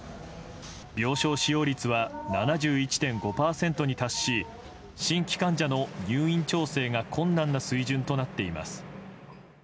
病床使用率は７１．５％に達し新規患者の入院調整が困難な水準となっています。